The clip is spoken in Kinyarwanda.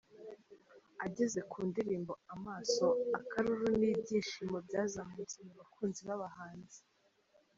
Ageze ku ndirimbo 'Aamaso' akaruru n'ibyishimo byazamutse mu bakunzi b'abahanzi.